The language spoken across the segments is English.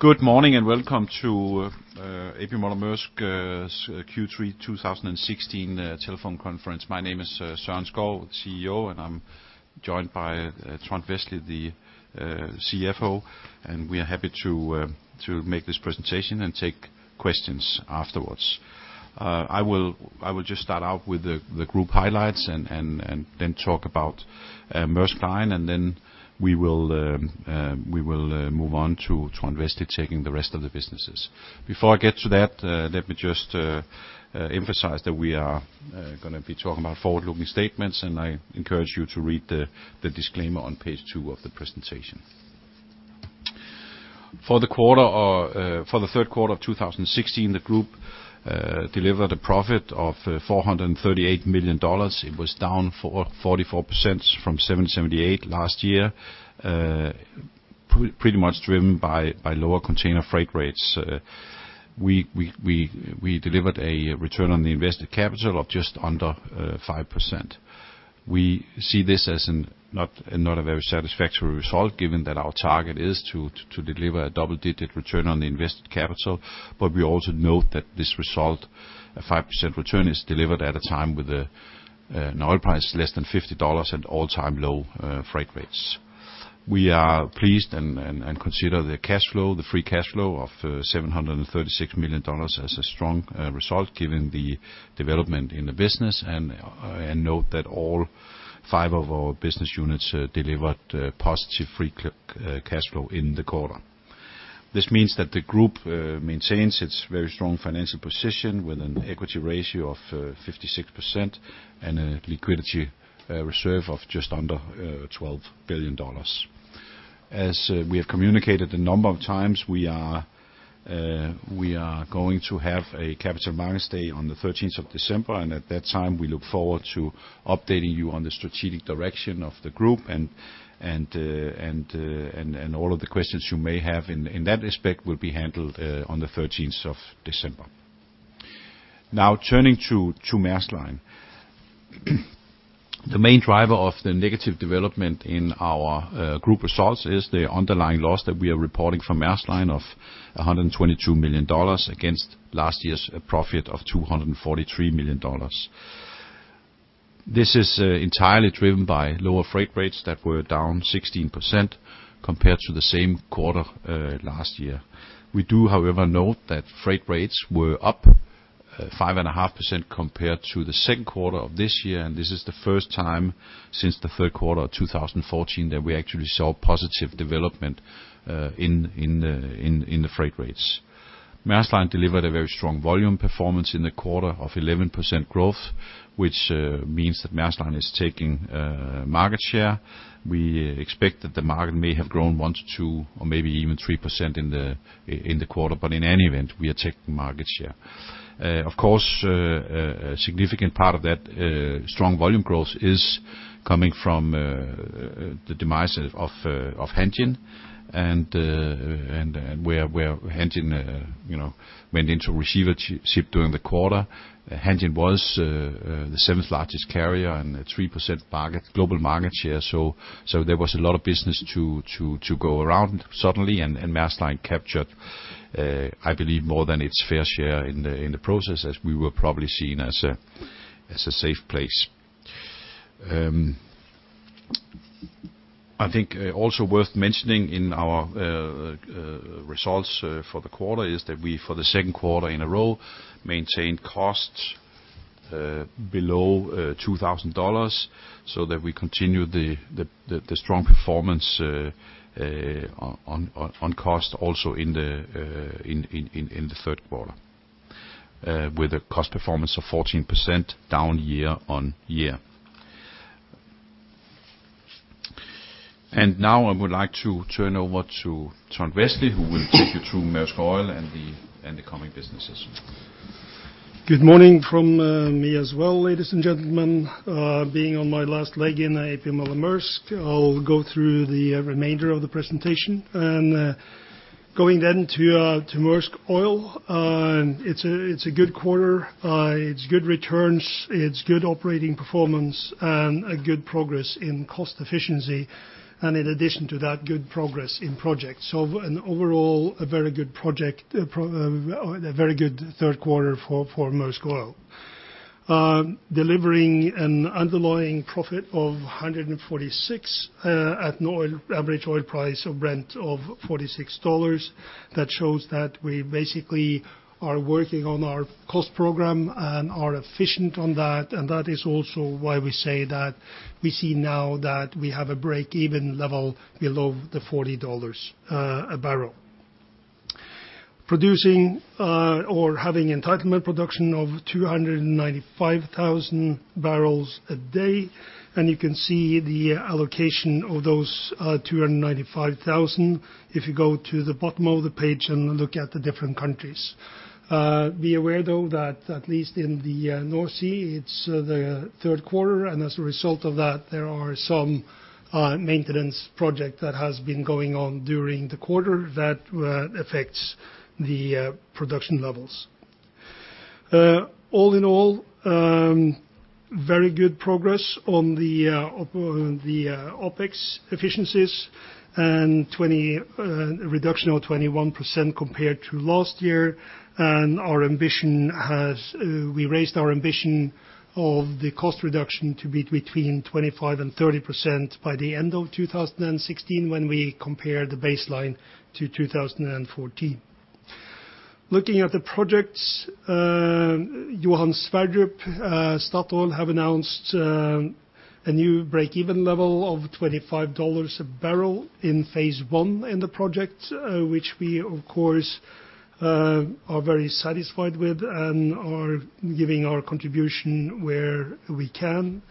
Good morning, and Welcome to A.P. Møller – Mærsk Q3 2016 Telephone Conference. My name is Søren Skou, CEO, and I'm joined by Trond Westlie, the CFO. We are happy to make this presentation and take questions afterwards. I will just start out with the group highlights and then talk about Maersk Line, and then we will move on to the rest of the businesses. Before I get to that, let me just emphasize that we are gonna be talking about forward-looking statements, and I encourage you to read the disclaimer on page two of the presentation. For the quarter, for the third quarter of 2016, the group delivered a profit of $438 million. It was down 44% from 778 last year. Pretty much driven by lower container freight rates. We delivered a return on the invested capital of just under 5%. We see this as not a very satisfactory result given that our target is to deliver a double-digit return on the invested capital. We also note that this result, a 5% return, is delivered at a time with an oil price less than $50 at all-time low freight rates. We are pleased and consider the cash flow, the free cash flow of $736 million as a strong result given the development in the business and note that all five of our business units delivered positive free cash flow in the quarter. This means that the group maintains its very strong financial position with an equity ratio of 56% and a liquidity reserve of just under $12 billion. As we have communicated a number of times, we are going to have a capital markets day on the 13th of December, and at that time, we look forward to updating you on the strategic direction of the group and all of the questions you may have in that respect will be handled on the 13th of December. Now turning to Maersk Line. The main driver of the negative development in our group results is the underlying loss that we are reporting from Maersk Line of $122 million against last year's profit of $243 million. This is entirely driven by lower freight rates that were down 16% compared to the same quarter last year. We do, however, note that freight rates were up 5.5% compared to the second quarter of this year, and this is the first time since the third quarter of 2014 that we actually saw positive development in the freight rates. Maersk Line delivered a very strong volume performance in the quarter of 11% growth, which means that Maersk Line is taking market share. We expect that the market may have grown 1%-2% or maybe even 3% in the quarter, but in any event, we are taking market share. Of course, a significant part of that strong volume growth is coming from the demise of Hanjin and where Hanjin you know went into receivership during the quarter. Hanjin Shipping was the seventh largest carrier and a 3% global market share. There was a lot of business to go around suddenly, and Maersk Line captured, I believe, more than its fair share in the process, as we were probably seen as a safe place. I think also worth mentioning in our results for the quarter is that we, for the second quarter in a row, maintained costs below $2,000 so that we continue the strong performance on cost also in the third quarter with a cost performance of 14% down year-on-year. Now I would like to turn over to Trond Westlie, who will take you through Maersk Oil and the coming businesses. Good morning from me as well, ladies and gentlemen. Being on my last leg in A.P. Møller – Mærsk, I'll go through the remainder of the presentation. Going then to Maersk Oil, it's a good quarter. It's good returns, it's good operating performance, and good progress in cost efficiency. In addition to that, good progress in projects. An overall very good third quarter for Maersk Oil. Delivering an underlying profit of $146 at an average oil price of Brent of $46. That shows that we basically are working on our cost program and are efficient on that. That is also why we say that we see now that we have a break-even level below $40 a barrel. Producing, or having entitlement production of 295,000 barrels a day. You can see the allocation of those 295,000 if you go to the bottom of the page and look at the different countries. Be aware though that at least in the North Sea, it's the third quarter, and as a result of that, there are some maintenance project that has been going on during the quarter that affects the production levels. All in all, very good progress on the OpEx efficiencies and 21% reduction compared to last year. We raised our ambition of the cost reduction to be between 25%-30% by the end of 2016 when we compare the baseline to 2014. Looking at the projects, Johan Sverdrup, Statoil have announced a new breakeven level of $25 a barrel in phase one in the project, which we of course are very satisfied with and are giving our contribution where we can.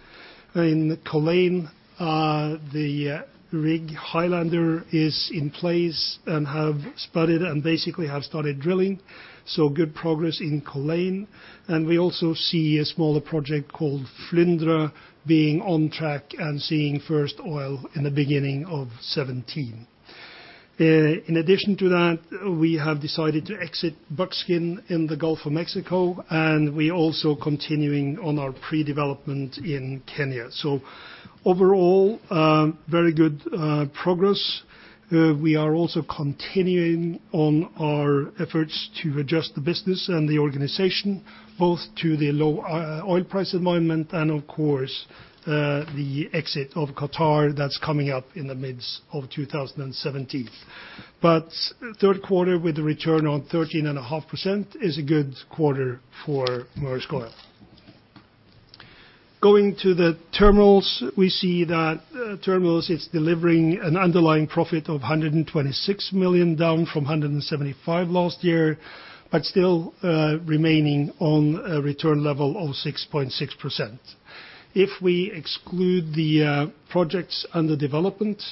In Culzean, the rig Highlander is in place and have spudded and basically have started drilling, so good progress in Culzean. We also see a smaller project called Flyndre being on track and seeing first oil in the beginning of 2017. In addition to that, we have decided to exit Buckskin in the Gulf of Mexico, and we're also continuing on our pre-development in Kenya. Overall, very good progress. We are also continuing on our efforts to adjust the business and the organization, both to the low oil price environment and of course, the exit of Qatar that's coming up in the midst of 2017. Third quarter with a return on 13.5% is a good quarter for Maersk Oil. Going to the terminals, we see that terminals is delivering an underlying profit of $126 million, down from $175 million last year, but still remaining on a return level of 6.6%. If we exclude the projects under development,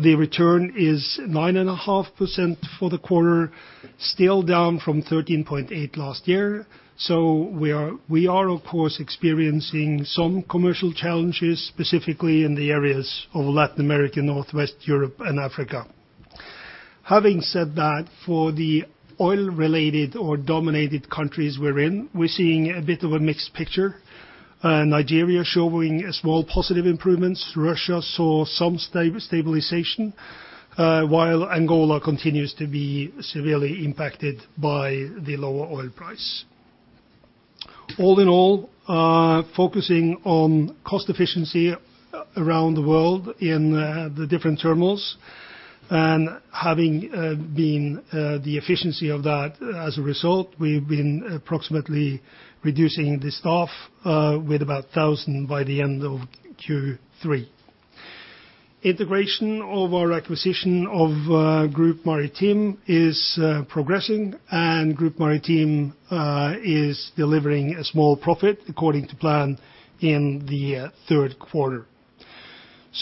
the return is 9.5% for the quarter, still down from 13.8% last year. We are of course experiencing some commercial challenges, specifically in the areas of Latin America, Northwest Europe and Africa. Having said that, for the oil-related or dominated countries we're in, we're seeing a bit of a mixed picture. Nigeria showing small positive improvements. Russia saw some stabilization, while Angola continues to be severely impacted by the lower oil price. All in all, focusing on cost efficiency around the world in the different terminals, and having seen the efficiency of that as a result, we've been approximately reducing the staff by about 1,000 by the end of Q3. Integration of our acquisition of Grup Marítim TCB is progressing, and Grup Marítim TCB is delivering a small profit according to plan in the third quarter.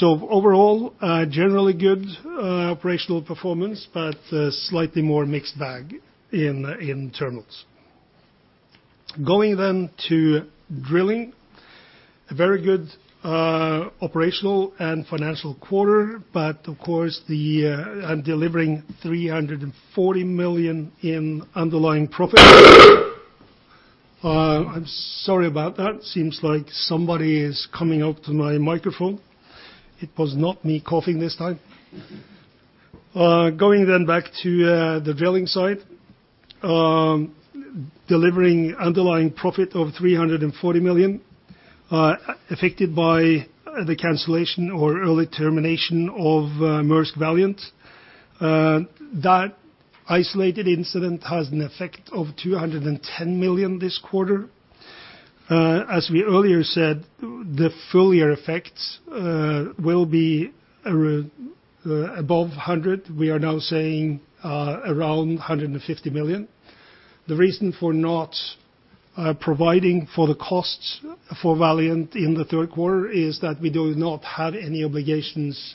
Overall, a generally good operational performance, but a slightly more mixed bag in terminals. Going then to drilling. A very good operational and financial quarter, but of course delivering $340 million in underlying profit. I'm sorry about that. Seems like somebody is coming up to my microphone. It was not me coughing this time. Going then back to the drilling side. Delivering underlying profit of $340 million, affected by the cancellation or early termination of Maersk Valiant. That isolated incident has an effect of $210 million this quarter. As we earlier said, the full year effects will be above $100 million. We are now saying around $150 million. The reason for not providing for the costs for Valiant in the third quarter is that we do not have any obligations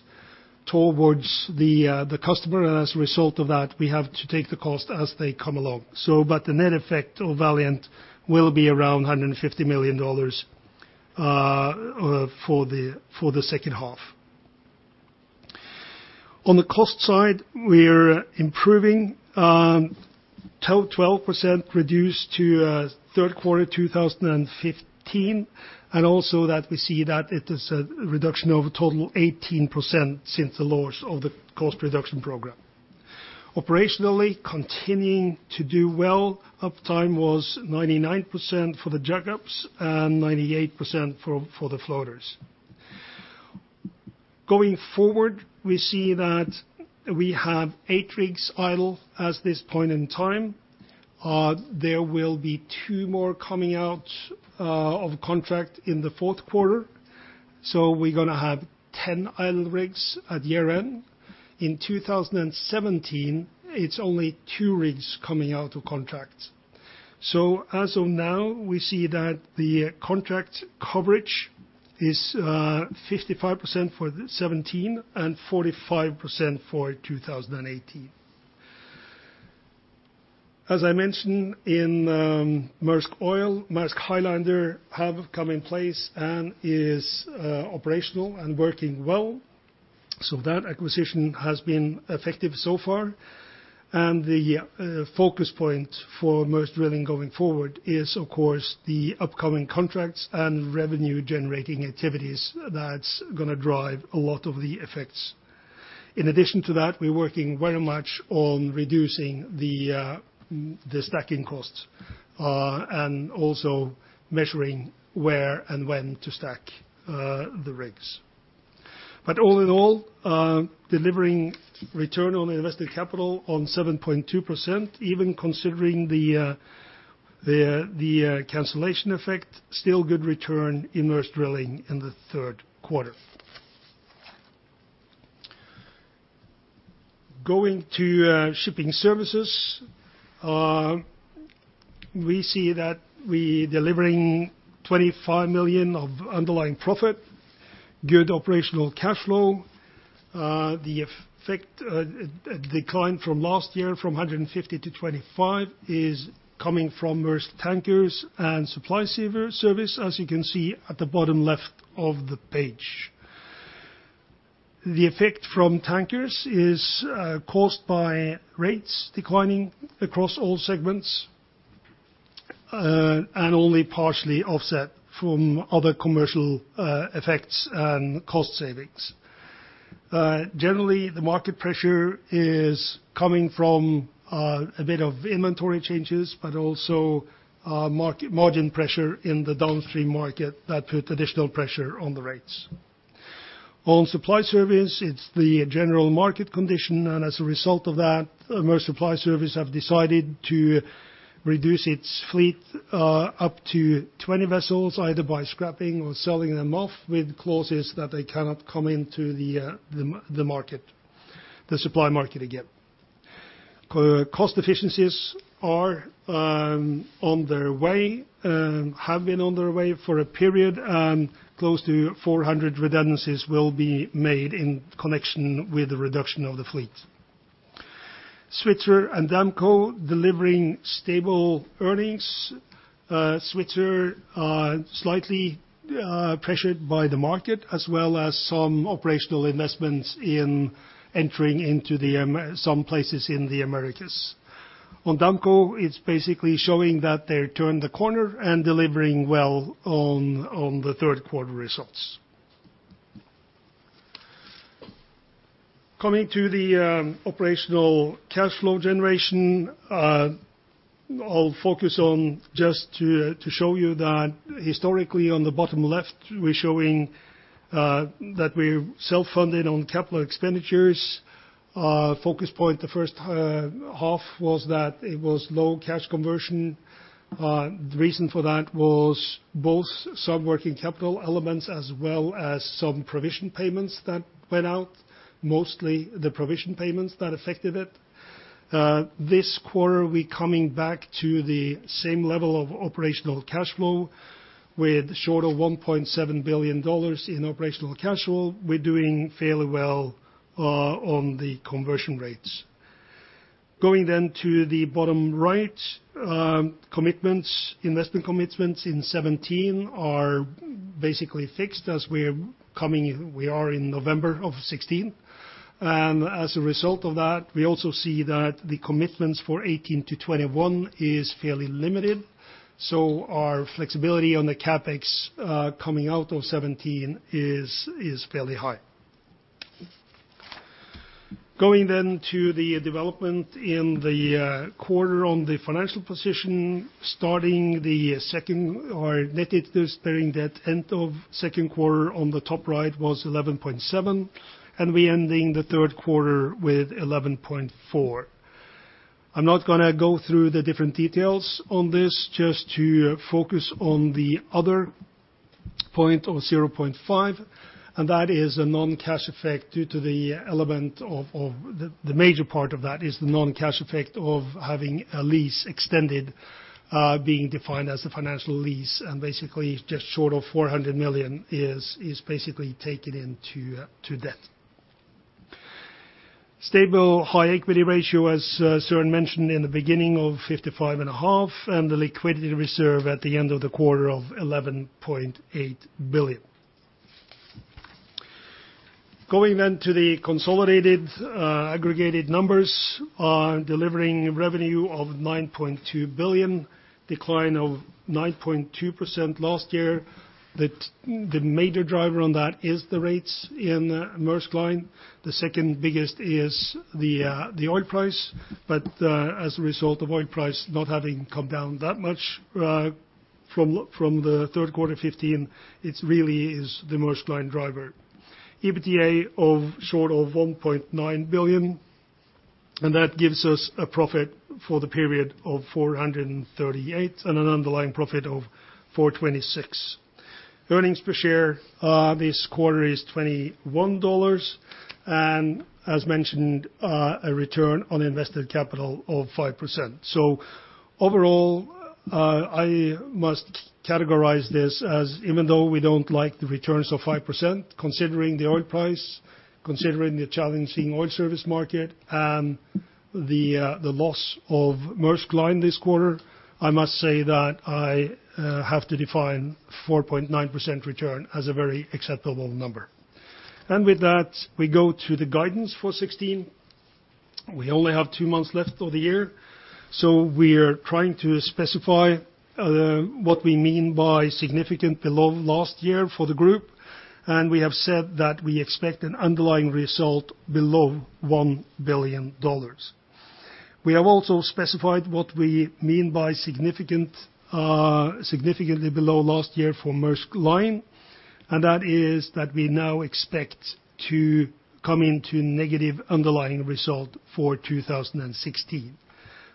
towards the customer. As a result of that, we have to take the cost as they come along. The net effect of Valiant will be around $150 million for the second half. On the cost side, we're improving 12% reduced to third quarter 2015, and also that we see that it is a reduction of total 18% since the launch of the cost reduction program. Operationally continuing to do well. Uptime was 99% for the jack-ups and 98% for the floaters. Going forward, we see that we have 8 rigs idle at this point in time. There will be 2 more coming out of contract in the fourth quarter. We're gonna have 10 idle rigs at year-end. In 2017, it's only 2 rigs coming out of contracts. As of now, we see that the contract coverage is 55% for 2017 and 45% for 2018. As I mentioned in Maersk Oil, Maersk Highlander have come in place and is operational and working well. That acquisition has been effective so far. The focus point for Maersk Drilling going forward is of course the upcoming contracts and revenue-generating activities that's gonna drive a lot of the effects. In addition to that, we're working very much on reducing the stacking costs, and also measuring where and when to stack the rigs. All in all, delivering return on invested capital on 7.2%, even considering the cancellation effect, still good return in Maersk Drilling in the third quarter. Going to Shipping Services. We see that we delivering $25 million of underlying profit, good operational cash flow. The effect declined from last year from $150 million to $25 million is coming from Maersk Tankers and Supply Service, as you can see at the bottom left of the page. The effect from Tankers is caused by rates declining across all segments, and only partially offset from other commercial effects and cost savings. Generally, the market pressure is coming from a bit of inventory changes but also margin pressure in the downstream market that put additional pressure on the rates. On Supply Service, it's the general market condition. As a result of that, Maersk Supply Service have decided to reduce its fleet up to 20 vessels, either by scrapping or selling them off with clauses that they cannot come into the market, the supply market again. Cost efficiencies are on their way, have been on their way for a period, and close to 400 redundancies will be made in connection with the reduction of the fleet. Svitzer and Damco delivering stable earnings. Svitzer slightly pressured by the market, as well as some operational investments in entering into some places in the Americas. On Damco, it's basically showing that they turned the corner and delivering well on the third quarter results. Coming to the operational cash flow generation, I'll focus on just to show you that historically, on the bottom left, we're showing that we're self-funded on capital expenditures. Focus point the first half was that it was low cash conversion. The reason for that was both some working capital elements as well as some provision payments that went out, mostly the provision payments that affected it. This quarter, we coming back to the same level of operational cash flow with short of $1.7 billion in operational cash flow. We're doing fairly well on the conversion rates. Going then to the bottom right, commitments, investment commitments in 2017 are basically fixed as we are in November of 2016. As a result of that, we also see that the commitments for 2018-2021 is fairly limited. So our flexibility on the CapEx coming out of 2017 is fairly high. Going then to the development in the quarter on the financial position, starting the second quarter net interest-bearing debt end of second quarter on the top right was $11.7, and we ended the third quarter with $11.4. I'm not gonna go through the different details on this, just to focus on the other point of 0.5, and that is a non-cash effect due to the element of the major part of that is the non-cash effect of having a lease extended, being defined as a financial lease. Basically, just short of $400 million is basically taken into debt. Stable high equity ratio, as Søren mentioned in the beginning, of 55.5%, and the liquidity reserve at the end of the quarter of $11.8 billion. Going to the consolidated aggregated numbers, delivering revenue of $9.2 billion, decline of 9.2% last year. The major driver on that is the rates in Maersk Line. The second biggest is the oil price. As a result of oil price not having come down that much from the third quarter 2015, it really is the Maersk Line driver. EBITDA of short of $1.9 billion, and that gives us a profit for the period of $438 million and an underlying profit of $426 million. Earnings per share this quarter is $21. As mentioned, a return on invested capital of 5%. Overall, I must categorize this as even though we don't like the returns of 5%, considering the oil price, considering the challenging oil service market and the loss of Maersk Line this quarter, I must say that I have to define 4.9% return as a very acceptable number. With that, we go to the guidance for 2016. We only have two months left of the year, so we're trying to specify what we mean by significant below last year for the group, and we have said that we expect an underlying result below $1 billion. We have also specified what we mean by significantly below last year for Maersk Line, and that is that we now expect to come into negative underlying result for 2016,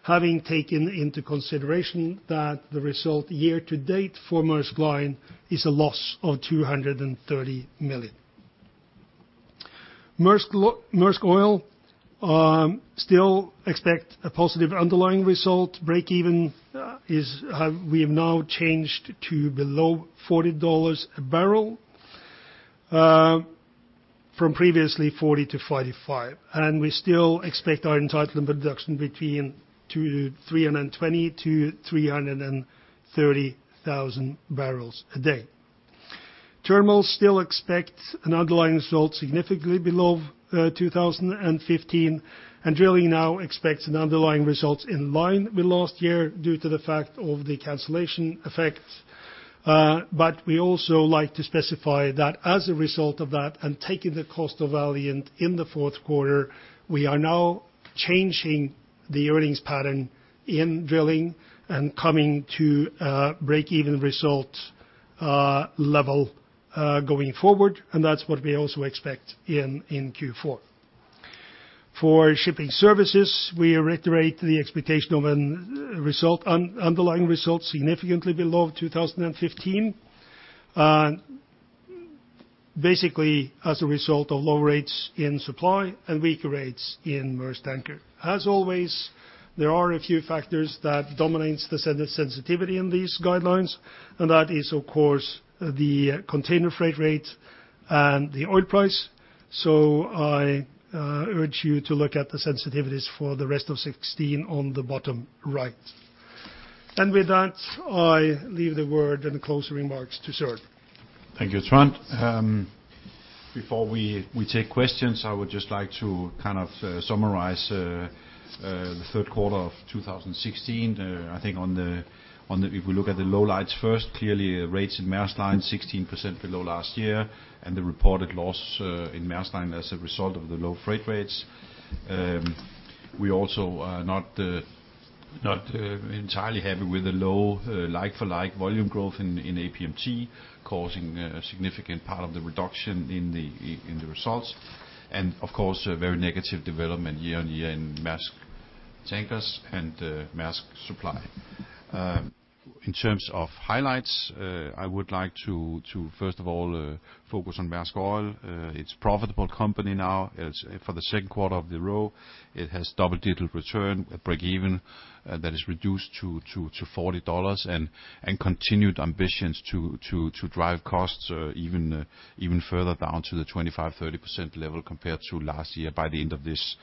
having taken into consideration that the result year to date for Maersk Line is a loss of $230 million. Maersk Oil still expect a positive underlying result. Breakeven is, we have now changed to below $40 a barrel, from previously $40-$45, and we still expect our entitlement production between 320-330,000 barrels a day. Terminals still expect an underlying result significantly below 2015, and Drilling now expects an underlying result in line with last year due to the fact of the cancellation effect. We also like to specify that as a result of that, and taking the cost of Valiant in the fourth quarter, we are now changing the earnings pattern in Drilling and coming to a breakeven result level going forward, and that's what we also expect in Q4. For Shipping Services, we reiterate the expectation of an underlying result significantly below 2015. Basically as a result of low rates in Supply and weaker rates in Maersk Tankers. As always, there are a few factors that dominates the sensitivity in these guidelines, and that is of course the container freight rate and the oil price. So I urge you to look at the sensitivities for the rest of 2016 on the bottom right. With that, I leave the floor and closing remarks to Søren. Thank you, Trond. Before we take questions, I would just like to kind of summarize the third quarter of 2016. I think, if we look at the lowlights first, clearly rates in Maersk Line 16% below last year, and the reported loss in Maersk Line as a result of the low freight rates. We also are not entirely happy with the low like for like volume growth in APMT, causing a significant part of the reduction in the results. Of course, a very negative development year-on-year in Maersk Tankers and Maersk Supply. In terms of highlights, I would like to first of all focus on Maersk Oil. It's profitable company now. For the second quarter of the year it has double-digit return, a breakeven that is reduced to $40 and continued ambitions to drive costs even further down to the 25%-30% level compared to last year by the end of this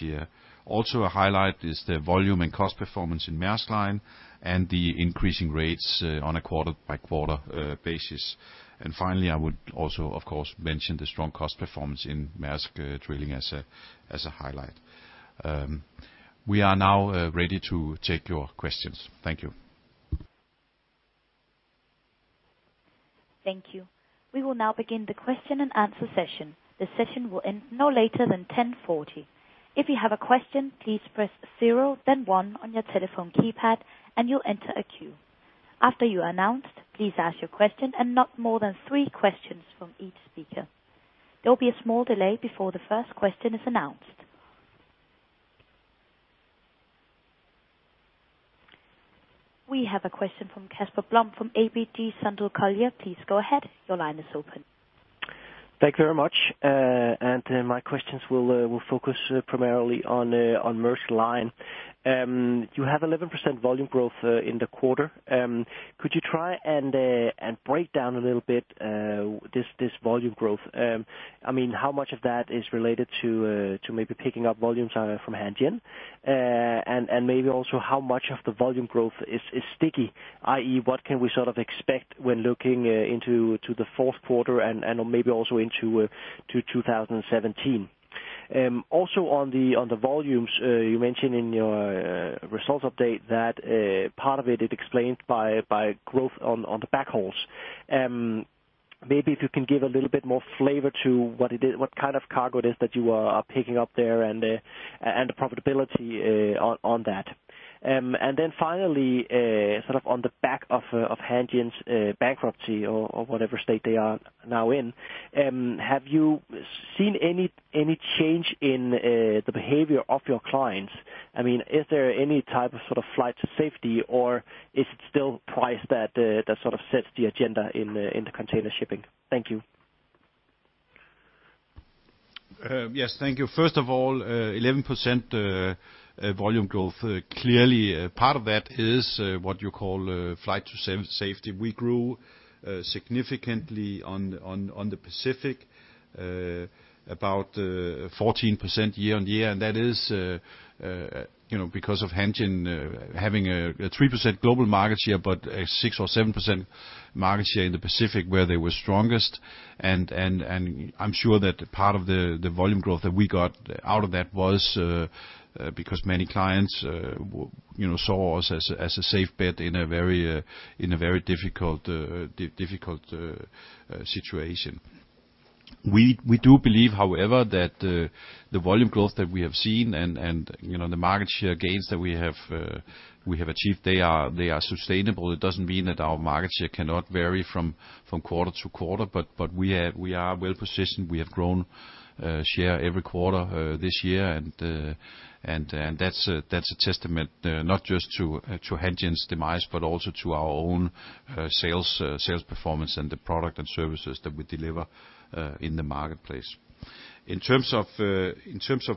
year. Also highlight is the volume and cost performance in Maersk Line and the increasing rates on a quarter-over-quarter basis. Finally, I would also of course mention the strong cost performance in Maersk Drilling as a highlight. We are now ready to take your questions. Thank you. Thank you. We will now begin the question and answer session. The session will end no later than 10:40. If you have a question, please press zero then one on your telephone keypad, and you'll enter a queue. After you are announced, please ask your question and not more than three questions from each speaker. There will be a small delay before the first question is announced. We have a question from Casper Blom from ABG Sundal Collier. Please go ahead. Your line is open. Thank you very much. My questions will focus primarily on Maersk Line. You have 11% volume growth in the quarter. Could you try and break down a little bit this volume growth? I mean, how much of that is related to maybe picking up volumes from Hanjin? And maybe also how much of the volume growth is sticky, i.e. what can we sort of expect when looking into the fourth quarter and maybe also into 2017? Also on the volumes, you mentioned in your results update that part of it is explained by growth on the backhauls. Maybe if you can give a little bit more flavor to what it is, what kind of cargo it is that you are picking up there and the profitability on that. Then finally, sort of on the back of Hanjin's bankruptcy or whatever state they are now in, have you seen any change in the behavior of your clients? I mean, is there any type of sort of flight to safety, or is it still price that sets the agenda in the container shipping? Thank you. Yes. Thank you. First of all, 11% volume growth, clearly part of that is what you call flight to safety. We grew significantly on the Pacific, about 14% year-on-year, and that is, you know, because of Hanjin having a 3% global market share, but a 6% or 7% market share in the Pacific where they were strongest. I'm sure that part of the volume growth that we got out of that was because many clients, you know, saw us as a safe bet in a very difficult situation. We do believe, however, that the volume growth that we have seen and, you know, the market share gains that we have achieved, they are sustainable. It doesn't mean that our market share cannot vary from quarter to quarter, but we are well-positioned. We have grown share every quarter this year and that's a testament, not just to Hanjin's demise, but also to our own sales performance and the product and services that we deliver in the marketplace. In terms of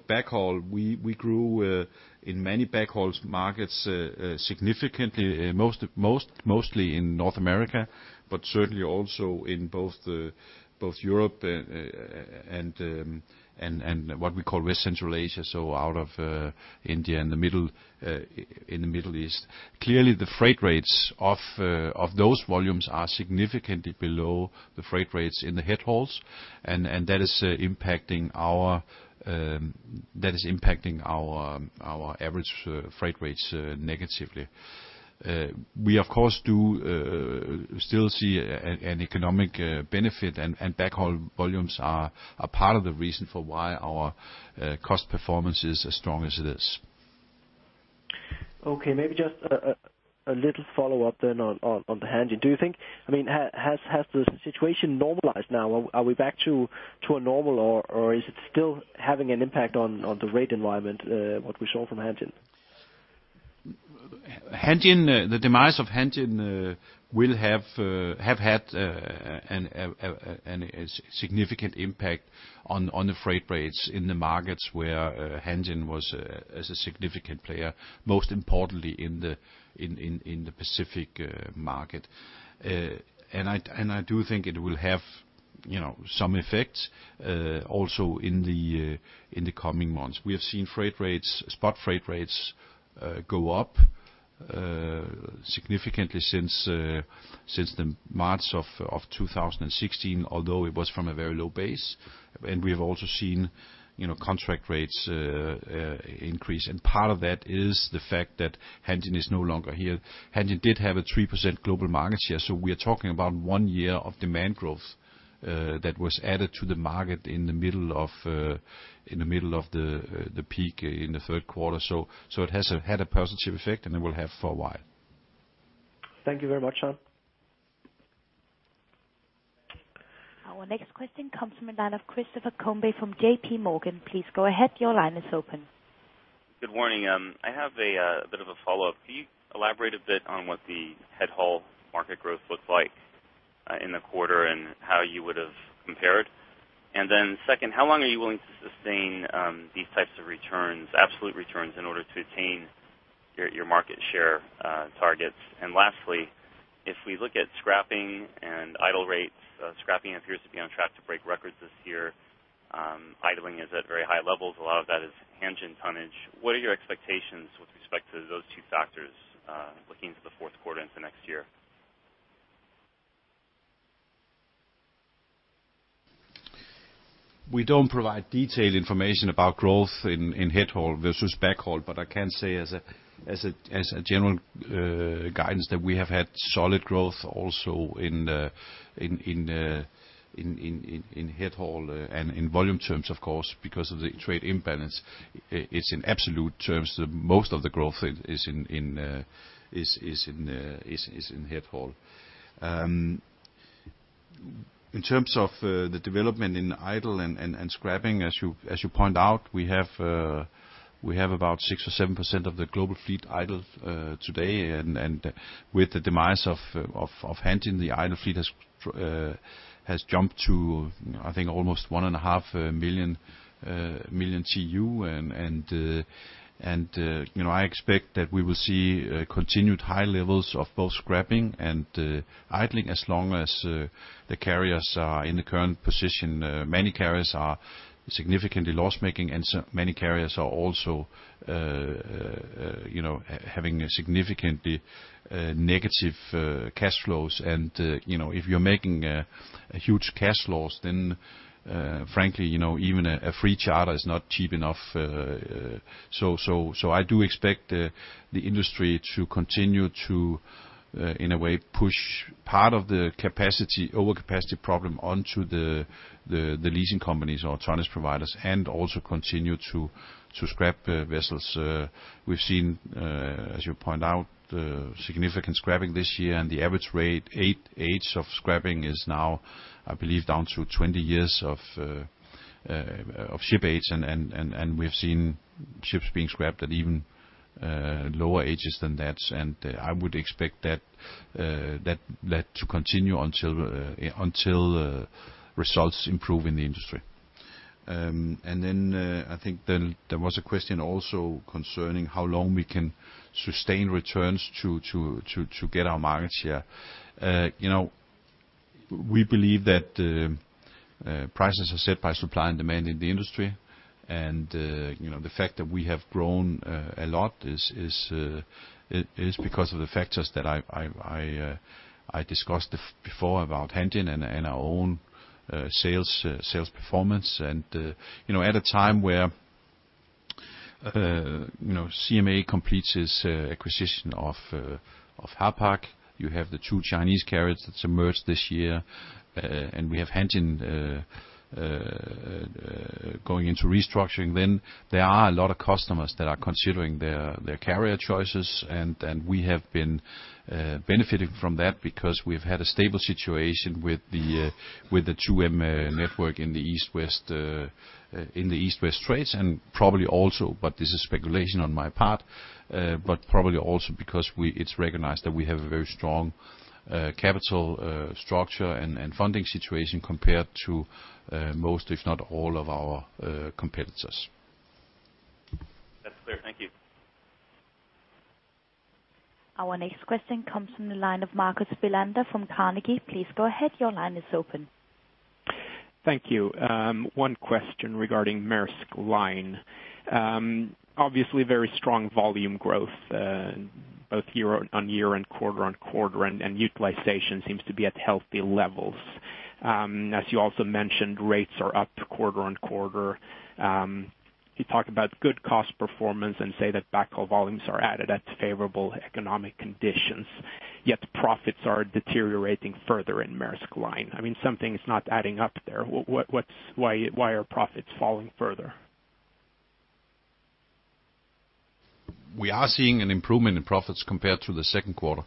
backhaul, we grew in many backhaul markets significantly, mostly in North America, but certainly also in both Europe and what we call West Central Asia, so out of India and in the Middle East. Clearly, the freight rates of those volumes are significantly below the freight rates in the headhauls and that is impacting our average freight rates negatively. We, of course, do still see an economic benefit and backhaul volumes are part of the reason for why our cost performance is as strong as it is. Okay. Maybe just a little follow-up then on the Hanjin. Do you think, I mean, has the situation normalized now? Are we back to a normal, or is it still having an impact on the rate environment, what we saw from Hanjin? Hanjin, the demise of Hanjin, will have had a significant impact on the freight rates in the markets where Hanjin was as a significant player, most importantly in the Pacific market. I do think it will have, you know, some effects also in the coming months. We have seen freight rates, spot freight rates, go up significantly since the March of 2016, although it was from a very low base. We have also seen, you know, contract rates increase. Part of that is the fact that Hanjin is no longer here. Hanjin did have a 3% global market share, so we are talking about one year of demand growth that was added to the market in the middle of the peak in the third quarter. It has had a positive effect, and it will have for a while. Thank you very much. Our next question comes from the line of Christopher Combe from JPMorgan. Please go ahead. Your line is open. Good morning. I have a bit of a follow-up. Can you elaborate a bit on what the headhaul market growth looks like in the quarter and how you would have compared? Second, how long are you willing to sustain these types of returns, absolute returns in order to attain your market share targets? Lastly, if we look at scrapping and idle rates, scrapping appears to be on track to break records this year. Idling is at very high levels. A lot of that is Hanjin tonnage. What are your expectations with respect to those two factors looking to the fourth quarter into next year? We don't provide detailed information about growth in headhaul versus backhaul, but I can say as a general guidance that we have had solid growth also in headhaul and in volume terms, of course, because of the trade imbalance, it's in absolute terms, most of the growth is in headhaul. In terms of the development in idle and scrapping, as you point out, we have about 6 or 7% of the global fleet idle today. With the demise of Hanjin, the idle fleet has jumped to, I think, almost 1.5 million TEU. You know, I expect that we will see continued high levels of both scrapping and idling as long as the carriers are in the current position. Many carriers are significantly loss-making, and so many carriers are also you know, having a significantly negative cash flows. If you're making huge cash flows, then frankly, you know, even a free charter is not cheap enough. I do expect the industry to continue to, in a way, push part of the capacity over capacity problem onto the leasing companies or tonnage providers and also continue to scrap vessels. We've seen, as you point out, significant scrapping this year, and the average age of scrapping is now, I believe, down to 20 years of ship age. We've seen ships being scrapped at even lower ages than that. I would expect that to continue until results improve in the industry. I think there was a question also concerning how long we can sustain returns to get our market share. You know, we believe that prices are set by supply and demand in the industry. You know, the fact that we have grown a lot is because of the factors that I discussed before about Hanjin and our own sales performance. You know, at a time where CMA completes its acquisition of NOL. You have the two Chinese carriers that's emerged this year, and we have Hanjin going into restructuring. There are a lot of customers that are considering their carrier choices, and we have been benefiting from that because we've had a stable situation with the 2M network in the East-West trades, and probably also, but this is speculation on my part, but probably also because it's recognized that we have a very strong capital structure and funding situation compared to most if not all of our competitors. That's clear. Thank you. Our next question comes from the line of Marcus Bellander from Carnegie. Please go ahead. Your line is open. Thank you. One question regarding Maersk Line. Obviously very strong volume growth, both year-on-year and quarter-on-quarter, and utilization seems to be at healthy levels. As you also mentioned, rates are up quarter-on-quarter. You talk about good cost performance and say that backhaul volumes are added at favorable economic conditions, yet profits are deteriorating further in Maersk Line. I mean, something's not adding up there. Why are profits falling further? We are seeing an improvement in profits compared to the second quarter.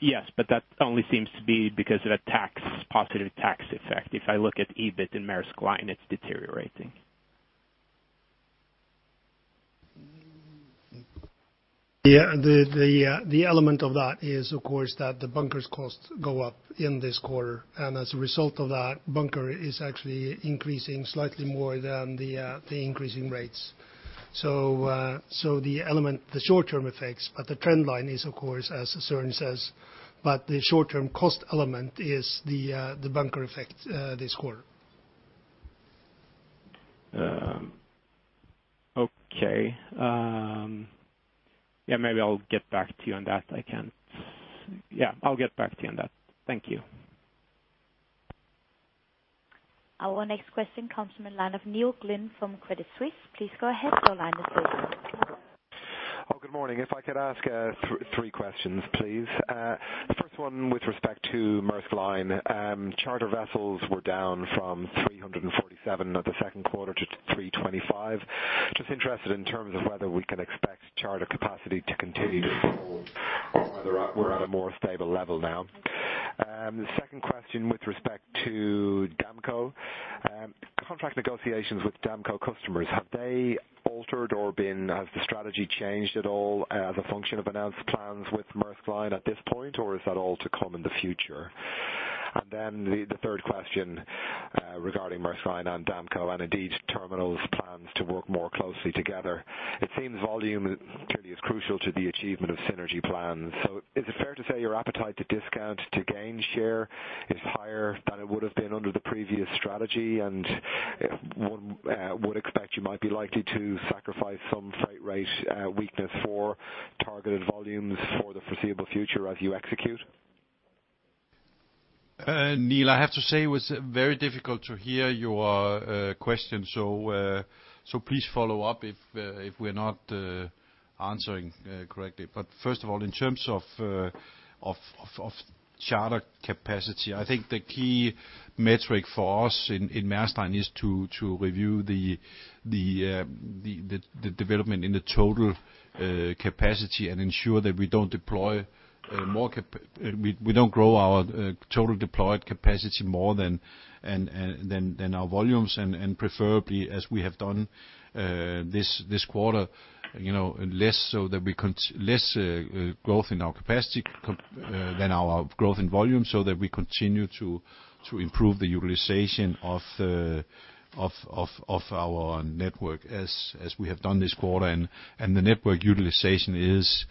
Yes, that only seems to be because of a positive tax effect. If I look at EBIT in Maersk Line, it's deteriorating. Yeah. The element of that is, of course, that the bunker costs go up in this quarter, and as a result of that, bunker is actually increasing slightly more than the increase in rates. The element, the short-term effects, but the trend line is, of course, as Søren says, but the short-term cost element is the bunker effect this quarter. Okay. Yeah, maybe I'll get back to you on that. Yeah, I'll get back to you on that. Thank you. Our next question comes from the line of Neil Glynn from Credit Suisse. Please go ahead. Your line is open. Good morning. If I could ask three questions, please. The first one with respect to Maersk Line, charter vessels were down from 347 at the second quarter to 325. Just interested in terms of whether we can expect charter capacity to continue to fall or whether we're at a more stable level now. The second question with respect to Damco. Contract negotiations with Damco customers, has the strategy changed at all as a function of announced plans with Maersk Line at this point, or is that all to come in the future? Then the third question regarding Maersk Line and Damco and indeed terminals' plans to work more closely together. It seems volume clearly is crucial to the achievement of synergy plans. Is it fair to say your appetite to discount to gain share is higher than it would have been under the previous strategy, and one would expect you might be likely to sacrifice some freight rate weakness for targeted volumes for the foreseeable future as you execute? Neil, I have to say it was very difficult to hear your question. Please follow up if we're not answering correctly. First of all, in terms of charter capacity, I think the key metric for us in Maersk Line is to review the development in the total capacity and ensure that we don't grow our total deployed capacity more than our volumes and preferably, as we have done this quarter, you know, less growth in our capacity than our growth in volume so that we continue to improve the utilization of our network as we have done this quarter. The network utilization is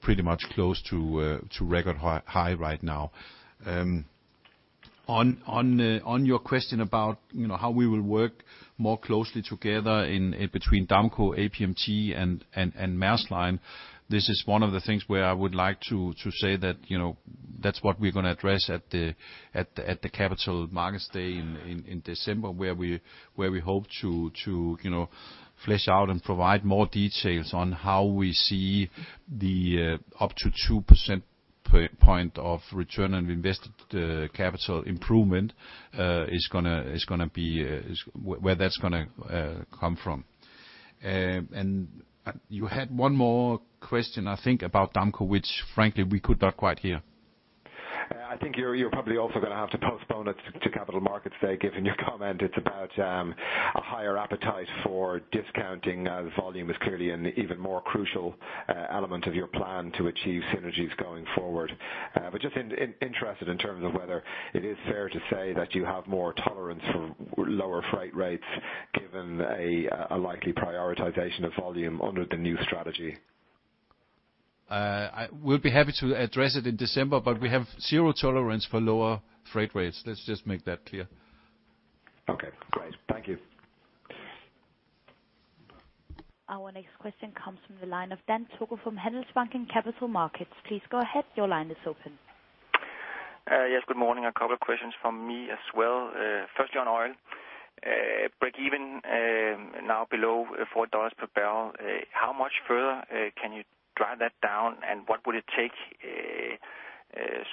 pretty much close to record high right now. On your question about, you know, how we will work more closely together between Damco, APMT and Maersk Line, this is one of the things where I would like to say that, you know, that's what we're gonna address at the Capital Markets Day in December, where we hope to, you know, flesh out and provide more details on how we see the up to 2% per point of return on invested capital improvement is gonna be where that's gonna come from. You had one more question, I think, about Damco, which frankly we could not quite hear. Yeah. I think you're probably also gonna have to postpone it to Capital Markets Day given your comment. It's about a higher appetite for discounting, the volume is clearly an even more crucial element of your plan to achieve synergies going forward. Just interested in terms of whether it is fair to say that you have more tolerance for lower freight rates given a likely prioritization of volume under the new strategy. We'll be happy to address it in December, but we have zero tolerance for lower freight rates. Let's just make that clear. Okay, great. Thank you. Our next question comes from the line of Dan Togo from Handelsbanken Capital Markets. Please go ahead. Your line is open. Yes, good morning. A couple of questions from me as well. First, Maersk Oil breakeven now below $4 per barrel. How much further can you drive that down, and what would it take,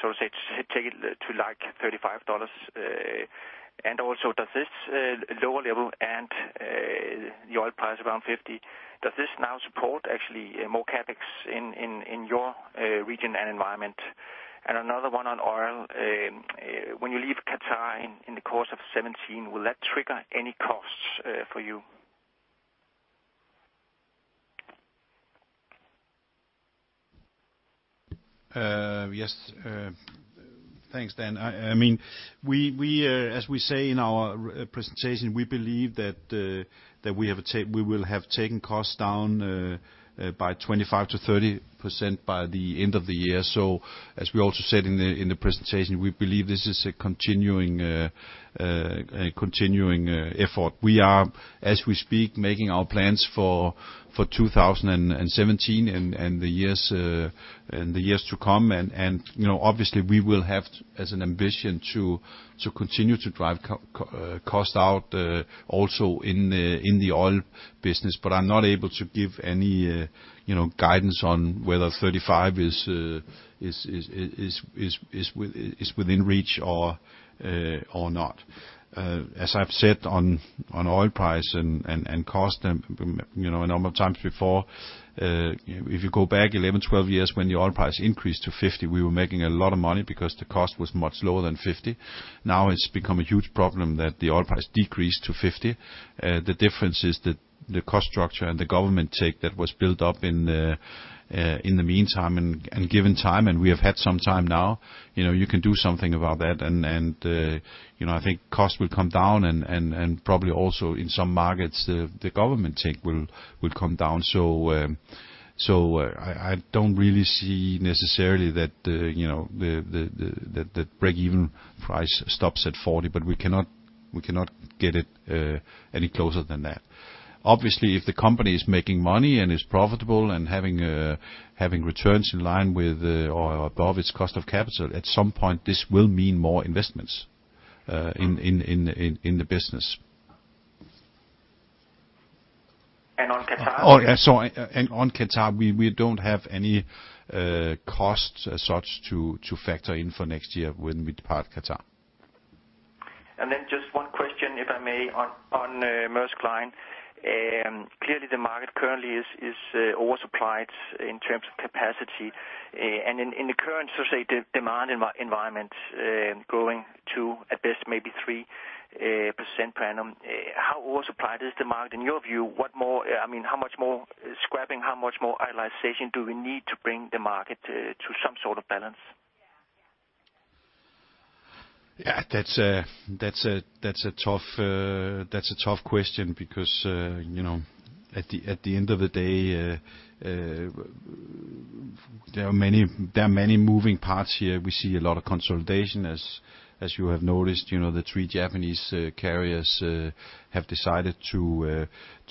so to speak, to take it to, like, $35? Also, does this lower level and the oil price around $50, does this now support actually more CapEx in your region and environment? Another one on oil. When you leave Qatar in the course of 2017, will that trigger any costs for you? Yes. Thanks, Dan. I mean, we as we say in our presentation, we believe that we'll have taken costs down by 25%-30% by the end of the year. As we also said in the presentation, we believe this is a continuing effort. We are, as we speak, making our plans for 2017 and the years to come. You know, obviously we will have as an ambition to continue to drive costs out also in the oil business. I'm not able to give any, you know, guidance on whether 35% is within reach or not. As I've said on oil price and costs then, you know, a number of times before, if you go back 11, 12 years when the oil price increased to $50, we were making a lot of money because the cost was much lower than $50. Now it's become a huge problem that the oil price decreased to $50. The difference is that the cost structure and the government take that was built up in the meantime and given time, and we have had some time now, you know, you can do something about that. I think costs will come down and probably also in some markets, the government take will come down. So I don't really see necessarily that you know the break-even price stops at $40, but we cannot get it any closer than that. Obviously, if the company is making money and is profitable and having returns in line with or above its cost of capital, at some point, this will mean more investments in the business. On Qatar? Oh, yeah, on Qatar, we don't have any costs as such to factor in for next year when we depart Qatar. Just one question, if I may, on Maersk Line. Clearly the market currently is oversupplied in terms of capacity. In the current demand environment, growing to at best maybe 3% per annum, how oversupplied is demand, in your view? What more, I mean, how much more scrapping, how much more idling do we need to bring the market to some sort of balance? Yeah. That's a tough question because, you know, at the end of the day, there are many moving parts here. We see a lot of consolidation as you have noticed. You know, the three Japanese carriers have decided to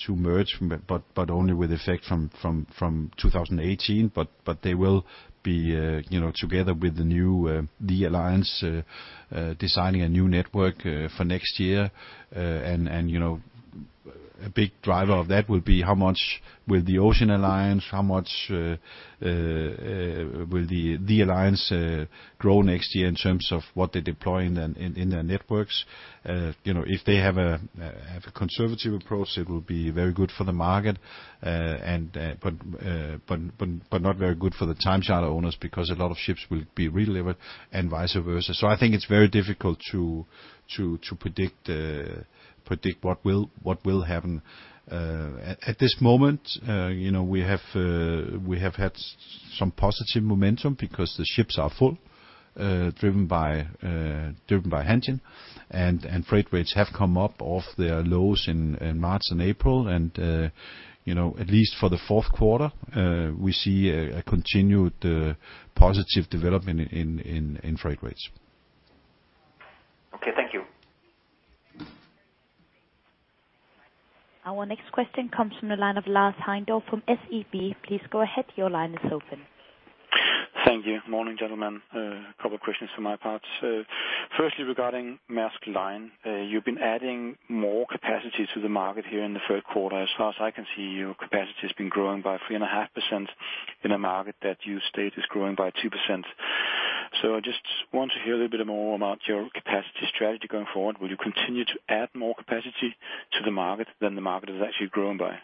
merge, but only with effect from 2018 but they will be, you know, together with the new THE Alliance designing a new network for next year. You know, a big driver of that will be how much will the Ocean Alliance, how much will the THE Alliance grow next year in terms of what they deploy in their networks. You know, if they have a conservative approach, it will be very good for the market, but not very good for the time charter owners, because a lot of ships will be redelivered and vice versa. I think it's very difficult to predict what will happen. At this moment, you know, we have had some positive momentum because the ships are full, driven by Hanjin, and freight rates have come up off their lows in March and April. At least for the fourth quarter, we see a continued positive development in freight rates. Okay. Thank you. Our next question comes from the line of Lars Heindorff from SEB. Please go ahead. Your line is open. Thank you. Morning, gentlemen. A couple questions from my part. Firstly, regarding Maersk Line, you've been adding more capacity to the market here in the third quarter. As far as I can see, your capacity has been growing by 3.5% in a market that you state is growing by 2%. I just want to hear a little bit more about your capacity strategy going forward. Will you continue to add more capacity to the market than the market has actually grown by?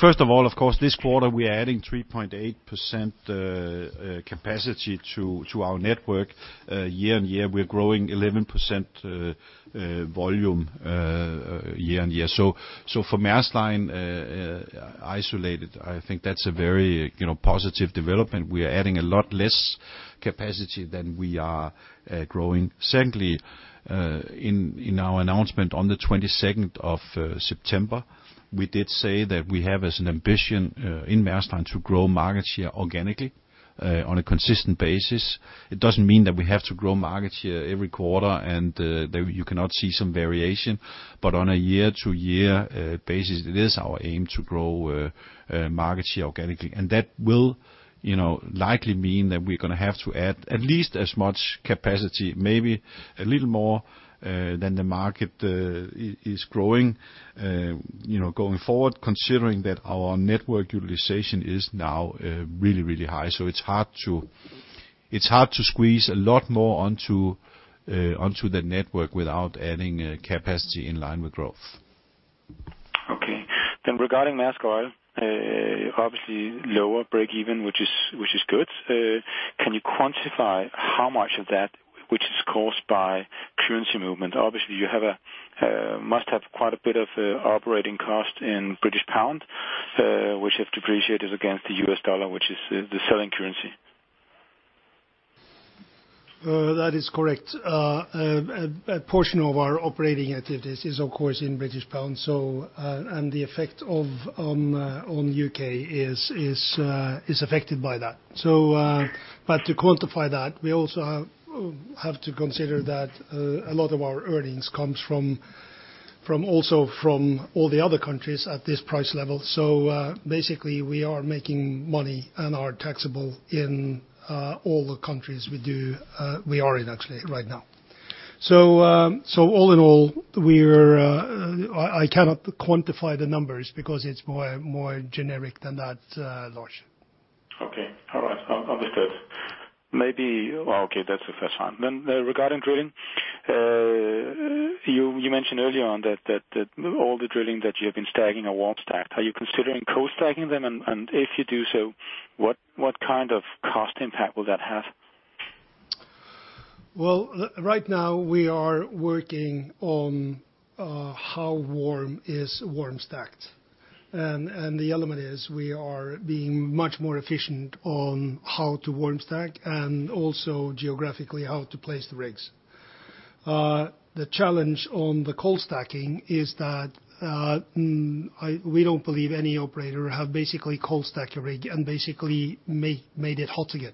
First of all, of course, this quarter we are adding 3.8% capacity to our network. Year-on-year, we are growing 11% volume year-on-year. For Maersk Line isolated, I think that's a very, you know, positive development. We are adding a lot less capacity than we are growing. Secondly, in our announcement on the 22nd of September, we did say that we have as an ambition in Maersk Line to grow market share organically on a consistent basis. It doesn't mean that we have to grow market share every quarter and that you cannot see some variation. On a year-to-year basis, it is our aim to grow market share organically. That will, you know, likely mean that we're gonna have to add at least as much capacity, maybe a little more, than the market is growing, you know, going forward, considering that our network utilization is now really, really high. It's hard to squeeze a lot more onto the network without adding capacity in line with growth. Okay. Then regarding Maersk Oil, obviously lower breakeven, which is good. Can you quantify how much of that which is caused by currency movement? Obviously, you must have quite a bit of operating cost in British pound, which have depreciated against the U.S. dollar, which is the selling currency. That is correct. A portion of our operating activities is of course in British pound, and the effect on the U.K. is affected by that. To quantify that, we also have to consider that a lot of our earnings comes also from all the other countries at this price level. Basically we are making money and are taxable in all the countries we are in actually right now. All in all, I cannot quantify the numbers because it's more generic than that, Lars. Okay. All right. Understood. Well, okay, that's the first one. Regarding drilling, you mentioned earlier on that all the drilling that you have been stacking are warm stacked. Are you considering cold stacking them? If you do so, what kind of cost impact will that have? Well, all right now we are working on how warm is warm stacked. The element is we are being much more efficient on how to warm stack and also geographically how to place the rigs. The challenge on the cold stacking is that we don't believe any operator have basically cold stacked a rig and basically made it hot again.